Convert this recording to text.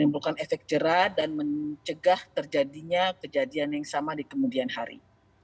menimbulkan efek jerah dan mencegah terjadinya kejadian yang sama di kemudian hari